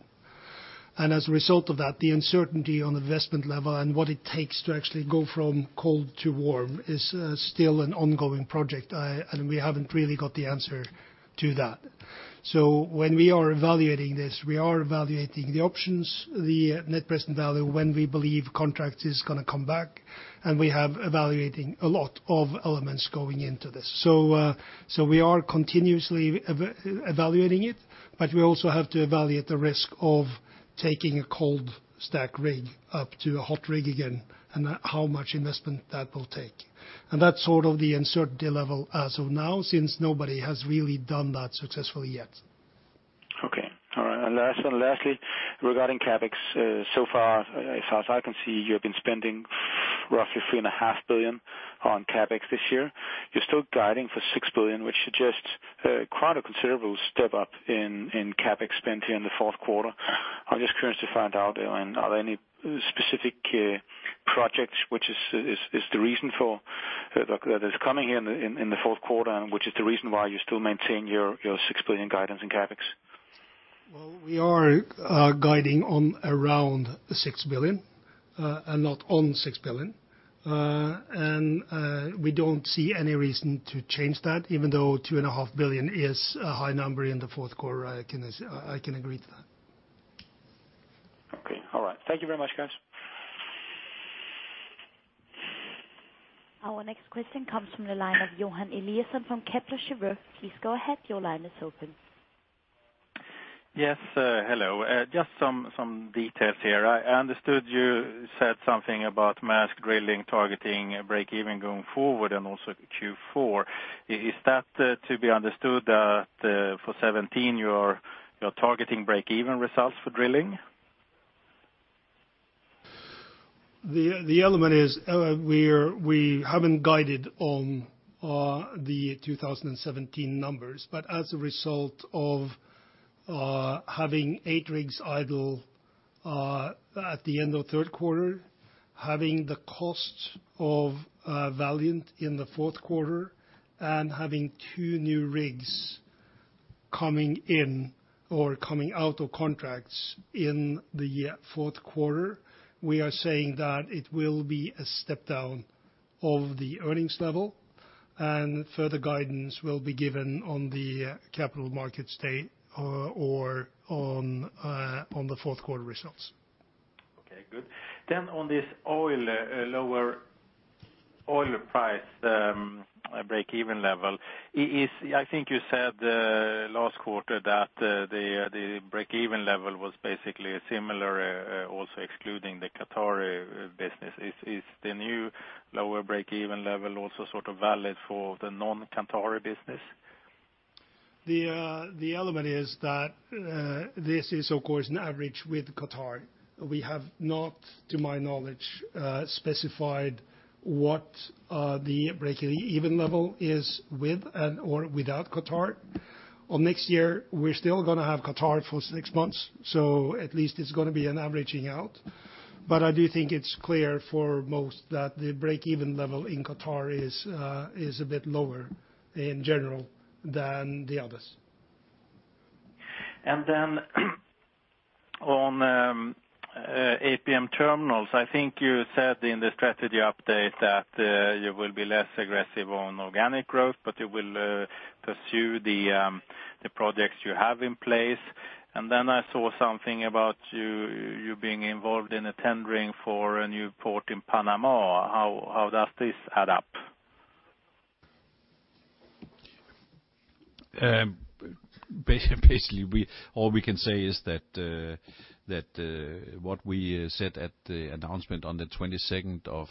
As a result of that, the uncertainty on investment level and what it takes to actually go from cold to warm is still an ongoing project, and we haven't really got the answer to that. When we are evaluating this, we are evaluating the options, the net present value, when we believe contract is gonna come back, and we have evaluating a lot of elements going into this. We are continuously evaluating it, but we also have to evaluate the risk of taking a cold stacked rig up to a hot rig again, and how much investment that will take. That's sort of the uncertainty level as of now, since nobody has really done that successfully yet. Okay. All right. Last one, lastly, regarding CapEx. So far, as far as I can see, you have been spending roughly $3.5 billion on CapEx this year. You're still guiding for $6 billion, which suggests a considerable step up in CapEx spend here in the fourth quarter. I'm just curious to find out, and are there any specific projects which is the reason for that that is coming here in the fourth quarter, and which is the reason why you still maintain your $6 billion guidance in CapEx? Well, we are guiding on around $6 billion and not on $6 billion. We don't see any reason to change that even though $2.5 billion is a high number in the fourth quarter, I can say, I can agree to that. Okay. All right. Thank you very much, guys. Our next question comes from the line of Johan Eliason from Kepler Cheuvreux. Please go ahead. Your line is open. Yes, hello. Just some details here. I understood you said something about Maersk Drilling targeting breakeven going forward and also Q4. Is that to be understood that for 2017, you're targeting breakeven results for drilling? The element is, we haven't guided on the 2017 numbers, but as a result of having 8 rigs idle at the end of third quarter, having the cost of Maersk Valiant in the fourth quarter, and having 2 new rigs coming in or coming out of contracts in the fourth quarter, we are saying that it will be a step down of the earnings level, and further guidance will be given on the Capital Markets Day or on the fourth quarter results. Okay, good. On this oil lower oil price breakeven level, is I think you said last quarter that the breakeven level was basically similar also excluding the Qatar business? Is the new lower breakeven level also sort of valid for the non-Qatar business? The element is that this is of course an average with Qatar. We have not, to my knowledge, specified what the breakeven level is with and/or without Qatar. On next year, we're still gonna have Qatar for six months, so at least it's gonna be an averaging out but I do think it's clear for most that the breakeven level in Qatar is a bit lower in general than the others. Then on APM Terminals, I think you said in the strategy update that you will be less aggressive on organic growth, but you will pursue the projects you have in place. I saw something about you being involved in a tendering for a new port in Panama. How does this add up? Basically, all we can say is that what we said at the announcement on the 22nd of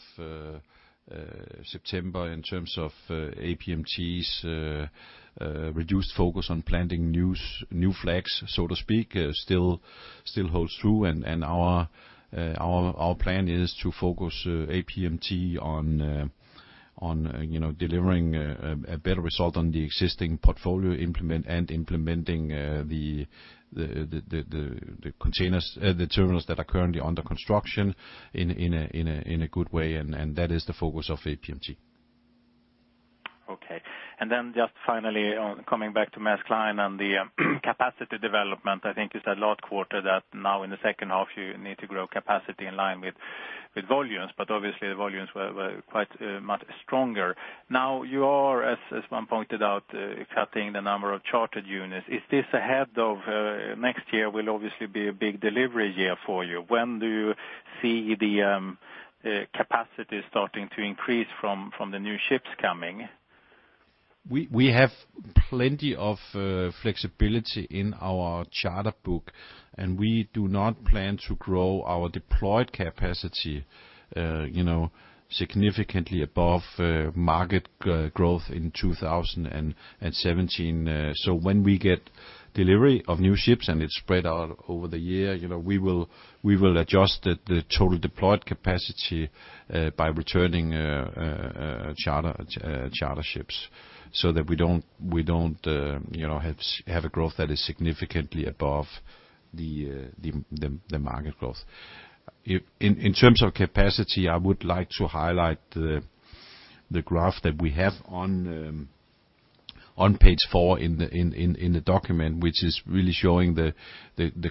September in terms of APMT's reduced focus on planting new flags, so to speak, still holds true. Our plan is to focus APMT on, you know, delivering a better result on the existing portfolio, implementing the container terminals that are currently under construction in a good way, and that is the focus of APMT. Okay. Just finally on coming back to Maersk Line and the capacity development. I think you said last quarter that now in the second half you need to grow capacity in line with volumes, but obviously the volumes were quite much stronger. Now you are, as one pointed out, cutting the number of chartered units. Is this ahead of next year will obviously be a big delivery year for you. When do you see the capacity starting to increase from the new ships coming? We have plenty of flexibility in our charter book, and we do not plan to grow our deployed capacity, you know, significantly above market growth in 2017. So when we get delivery of new ships and it's spread out over the year, you know, we will adjust the total deployed capacity by returning charter ships so that we don't you know, have a growth that is significantly above the market growth. In terms of capacity, I would like to highlight the graph that we have on page four in the document, which is really showing the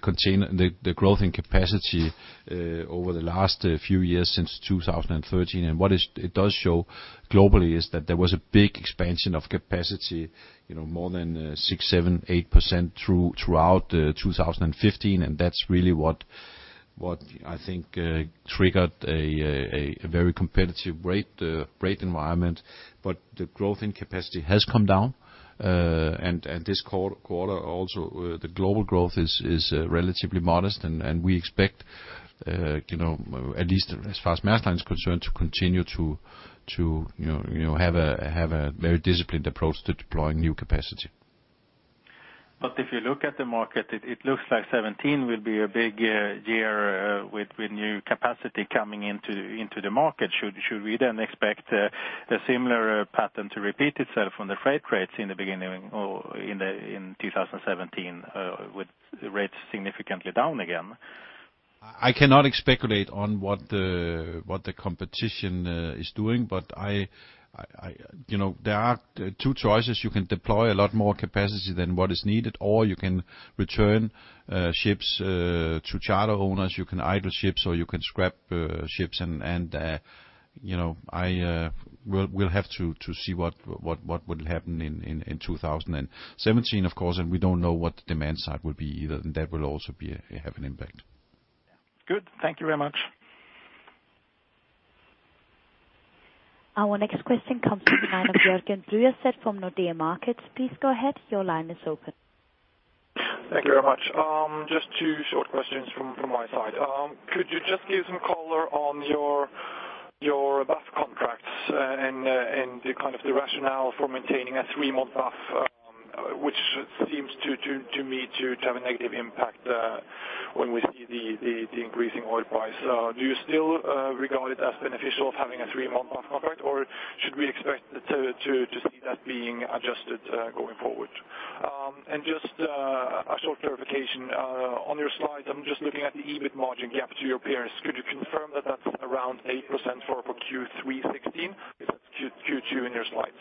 container growth in capacity over the last few years since 2013. What it does show globally is that there was a big expansion of capacity, you know, more than 6%-8% throughout 2015 and that's really what I think triggered a very competitive rate environment but the growth in capacity has come down. This quarter also, the global growth is relatively modest. We expect, you know, at least as far as Maersk Line is concerned, to continue to, you know, have a very disciplined approach to deploying new capacity. If you look at the market, it looks like 2017 will be a big year with new capacity coming into the market. Should we then expect a similar pattern to repeat itself on the freight rates in the beginning or in 2017 with rates significantly down again? I cannot speculate on what the competition is doing. You know, there are two choices. You can deploy a lot more capacity than what is needed, or you can return ships to charter owners. You can idle ships, or you can scrap ships and you know, we'll have to see what will happen in 2017 of course. We don't know what the demand side will be either, and that will also have an impact. Good. Thank you very much. Our next question comes from the line of Jørgen Bruaset from Nordea Markets. Please go ahead. Your line is open. Thank you very much. Just two short questions from my side. Could you just give some color on your BAF contracts and the kind of rationale for maintaining a three-month BAF, which seems to me to have a negative impact when we see the increasing oil price. Do you still regard it as beneficial of having a three-month BAF contract, or should we expect to see that being adjusted going forward? Just a short clarification on your slides. I'm just looking at the EBIT margin gap to your peers. Could you confirm that that's around 8% for Q3 2016? If that's Q2 in your slides.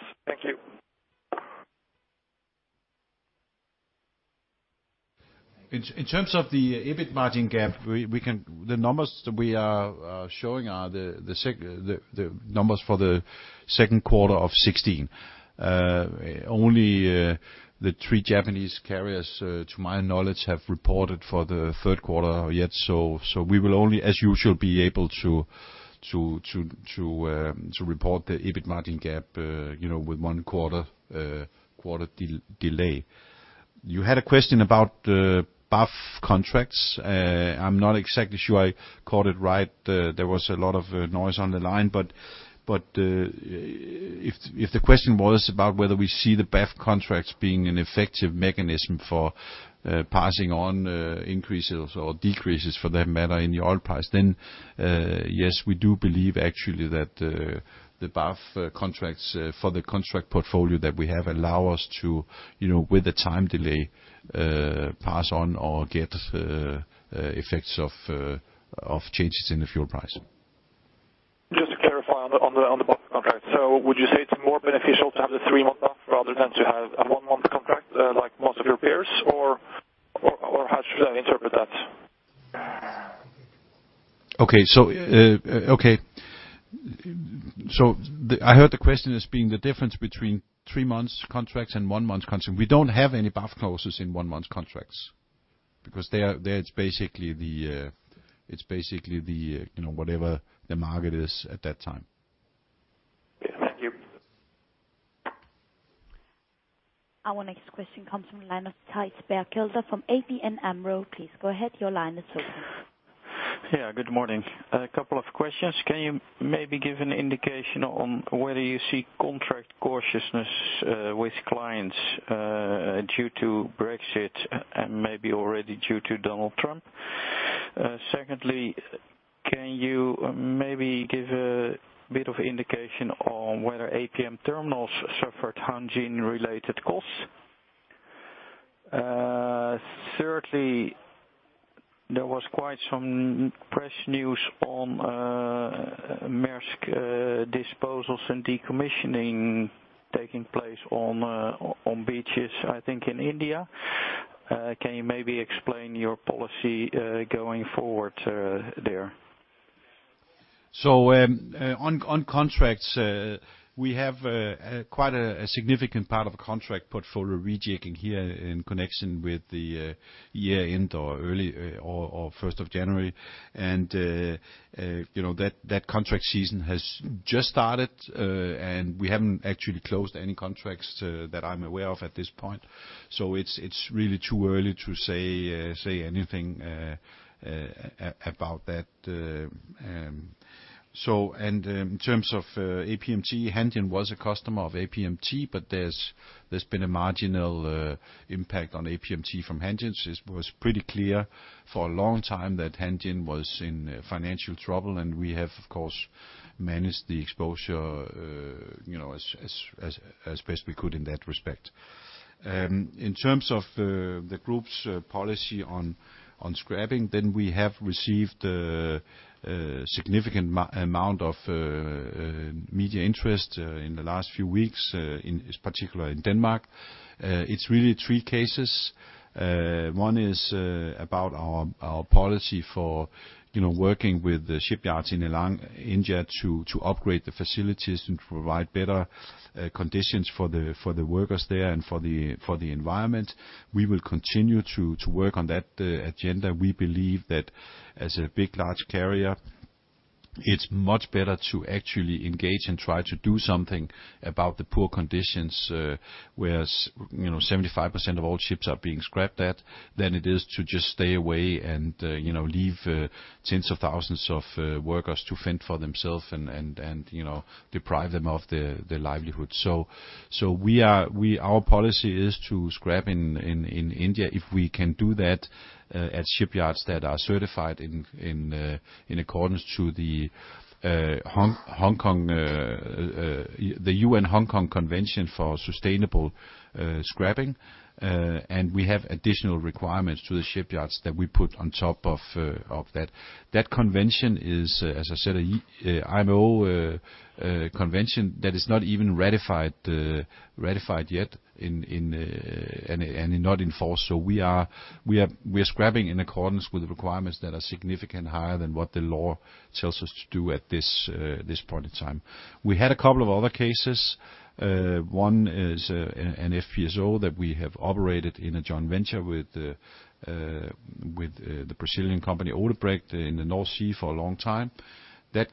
Thank you. In terms of the EBIT margin gap, we can, the numbers that we are showing are the numbers for the second quarter of 2016. Only the three Japanese carriers, to my knowledge, have reported for the third quarter yet. We will only, as usual, be able to report the EBIT margin gap, you know, with one quarter delay. You had a question about BAF contracts. I'm not exactly sure I caught it right. There was a lot of noise on the line. But if the question was about whether we see the BAF contracts being an effective mechanism for passing on increases or decreases for that matter in the oil price, then yes, we do believe actually that the BAF contracts for the contract portfolio that we have allow us to, you know, with the time delay, pass on or get effects of changes in the fuel price. Just to clarify on the BAF contract. Would you say it's more beneficial to have the three-month BAF rather than to have a one-month contract, like most of your peers? How should I interpret that? Okay so I heard the question as being the difference between three-month contracts and one-month contracts. We don't have any BAF clauses in one-month contracts. Because there it's basically, you know, whatever the market is at that time. Our next question comes from the line of Thijs Berkelder from ABN AMRO. Please go ahead. Your line is open. Yeah, good morning. A couple of questions. Can you maybe give an indication on whether you see contract cautiousness with clients due to Brexit and maybe already due to Donald Trump? Secondly, can you maybe give a bit of indication on whether APM Terminals suffered Hanjin Shipping-related costs? Thirdly, there was quite some press news on Maersk Disposals and Decommissioning taking place on beaches, I think, in India. Can you maybe explain your policy going forward there? On contracts, we have quite a significant part of a contract portfolio rejigging here in connection with the year-end or early or 1st of January. You know, that contract season has just started, and we haven't actually closed any contracts that I'm aware of at this point. So it's really too early to say anything about that. In terms of APMT, Hanjin was a customer of APMT, but there's been a marginal impact on APMT from Hanjin. It was pretty clear for a long time that Hanjin was in financial trouble, and we have, of course, managed the exposure, you know, as best we could in that respect. In terms of the group's policy on scrapping, we have received a significant amount of media interest in the last few weeks, in particular in Denmark. It's really three cases. One is about our policy for, you know, working with the shipyards in Alang, India, to upgrade the facilities and to provide better conditions for the workers there and for the environment. We will continue to work on that agenda. We believe that as a big, large carrier, it's much better to actually engage and try to do something about the poor conditions, where, you know, 75% of all ships are being scrapped at, than it is to just stay away and, you know, leave tens of thousands of workers to fend for themselves and, you know, deprive them of their livelihoods. Our policy is to scrap in India, if we can do that, at shipyards that are certified in accordance to the Hong Kong Convention for Sustainable Scrapping. We have additional requirements to the shipyards that we put on top of that. That convention is, as I said, an IMO convention that is not even ratified yet and not enforced. We are scrapping in accordance with the requirements that are significantly higher than what the law tells us to do at this point in time. We had a couple of other cases. One is an FPSO that we have operated in a joint venture with the Brazilian company, Odebrecht, in the North Sea for a long time. That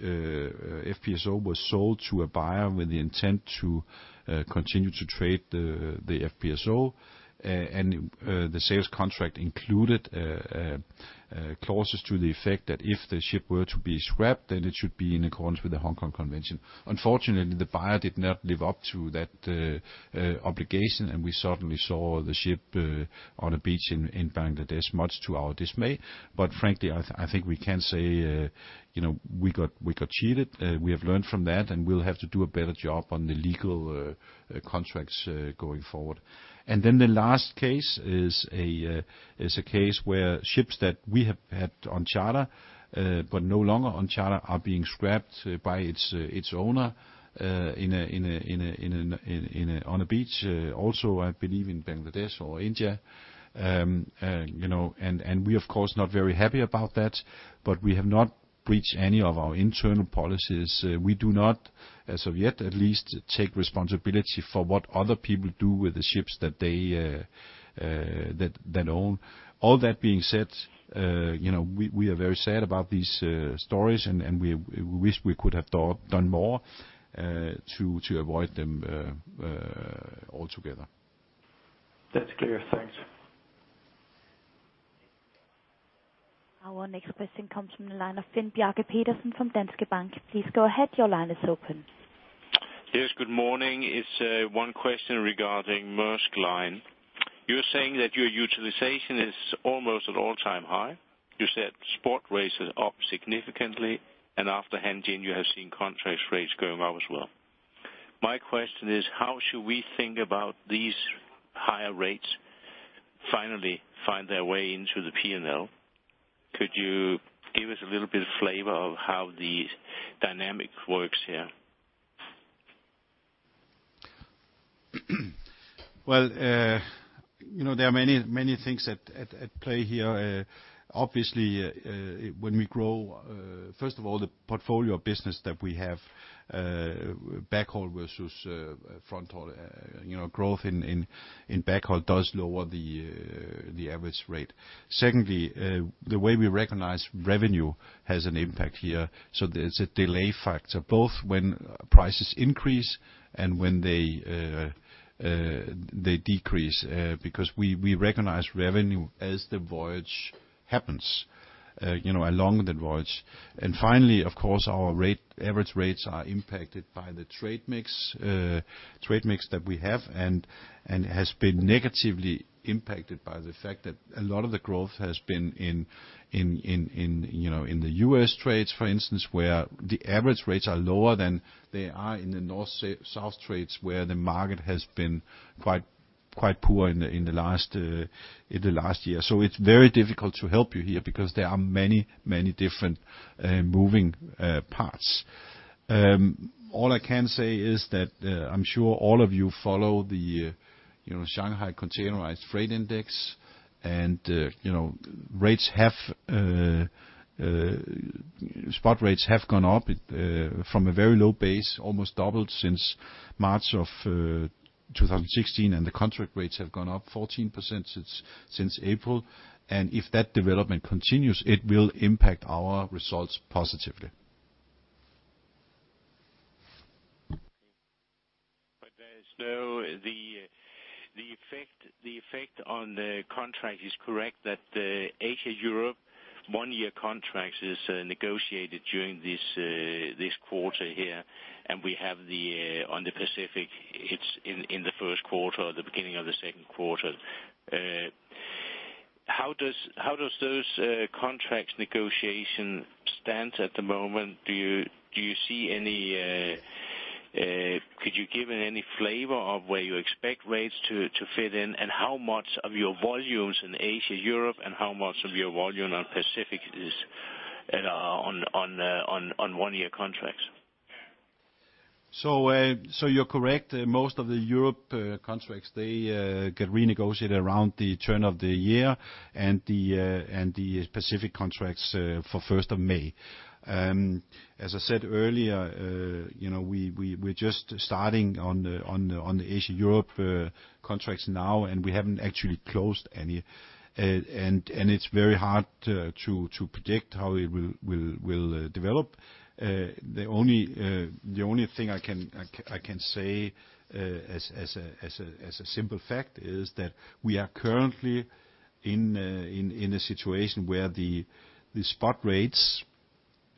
FPSO was sold to a buyer with the intent to continue to trade the FPSO. The sales contract included clauses to the effect that if the ship were to be scrapped, then it should be in accordance with the Hong Kong Convention. Unfortunately, the buyer did not live up to that obligation, and we suddenly saw the ship on a beach in Bangladesh, much to our dismay. But frankly, I think we can say, you know, we got cheated. We have learned from that, and we'll have to do a better job on the legal contracts going forward. The last case is a case where ships that we have had on charter but no longer on charter are being scrapped by its owner on a beach, also I believe in Bangladesh or India. You know, we of course not very happy about that, but we have not breached any of our internal policies. We do not, as of yet, at least take responsibility for what other people do with the ships that they own. All that being said, you know, we are very sad about these stories, and we wish we could have done more to avoid them altogether. That's clear. Thanks. Our next question comes from the line of Finn Bjarke Petersen from Danske Bank. Please go ahead. Your line is open. Yes, good morning. It's one question regarding Maersk Line. You're saying that your utilization is almost at all-time high. You said spot rates are up significantly and after Hanjin you have seen contract rates going up as well. My question is how should we think about these higher rates finally find their way into the P&L? Could you give us a little bit of flavor of how the dynamic works here? Well, you know, there are many, many things at play here. Obviously, when we grow, first of all, the portfolio of business that we have, backhaul versus front haul, you know, growth in backhaul does lower the average rate. Secondly, the way we recognize revenue has an impact here. There's a delay factor, both when prices increase and when they decrease, because we recognize revenue as the voyage happens, you know, along the voyage. Finally, of course, our average rates are impacted by the trade mix that we have and has been negatively impacted by the fact that a lot of the growth has been in, you know, in the U.S. trades, for instance, where the average rates are lower than they are in the north-south trades, where the market has been quite poor in the last year. It's very difficult to help you here because there are many different moving parts. All I can say is that, I'm sure all of you follow the, you know, Shanghai Containerized Freight Index. You know, spot rates have gone up from a very low base, almost doubled since March 2016, and the contract rates have gone up 14% since April. If that development continues, it will impact our results positively. The effect on the contract is correct that Asia-Europe one-year contracts is negotiated during this quarter here. We have then on the Pacific. It's in the first quarter or the beginning of the second quarter. How does those contracts negotiation stand at the moment? Could you give any flavor of where you expect rates to fit in? How much of your volumes in Asia-Europe, and how much of your volume on Pacific is on one-year contracts? So you're correct. Most of the Europe contracts get renegotiated around the turn of the year and the Pacific contracts for 1st of May. As I said earlier, you know, we're just starting on the Asia-Europe contracts now, and we haven't actually closed any. It's very hard to predict how it will develop. The only thing I can say as a simple fact is that we are currently in a situation where the spot rates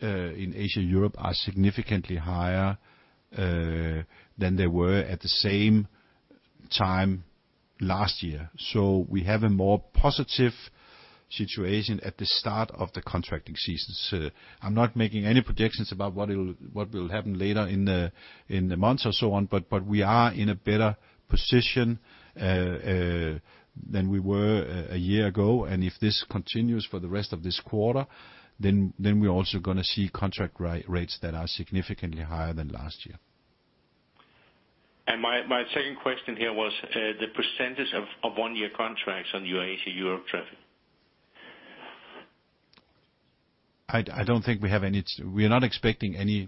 in Asia and Europe are significantly higher than they were at the same time last year. We have a more positive situation at the start of the contracting season. I'm not making any predictions about what will happen later in the months or so on, but we are in a better position than we were a year ago. If this continues for the rest of this quarter, then we're also gonna see contract rates that are significantly higher than last year. My second question here was the percentage of one-year contracts on your Asia-Europe traffic. I don't think we have any. We are not expecting any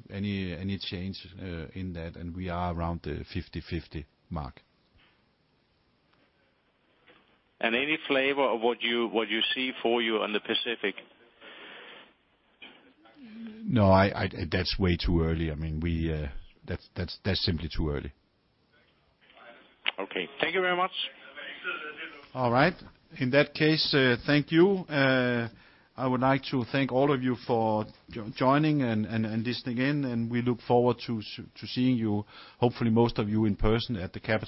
change in that, and we are around the 50/50 mark. Any flavor of what you see for you on the Pacific? No, that's way too early. I mean, that's simply too early. Okay. Thank you very much. All right. In that case, thank you. I would like to thank all of you for joining and listening in, and we look forward to seeing you, hopefully most of you in person at the Capital Mark-